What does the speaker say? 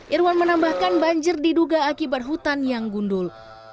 irwan menambahkan banjir diduga akibat hutan yang gundul